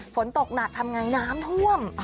ฝนตกหนักทำไงน้ำท่วม